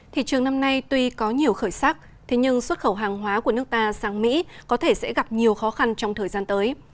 thị trường năm nay tuy có nhiều khởi sắc thế nhưng xuất khẩu hàng hóa của nước ta sang mỹ có thể sẽ gặp nhiều khó khăn trong thời gian tới